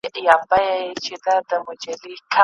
پر زولنو یې دي لیکلي لېونۍ سندري